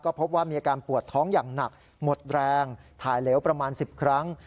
พบว่ามีอาการปวดท้องอย่างหนักหมดแรงถ่ายเหลวประมาณ๑๐ครั้ง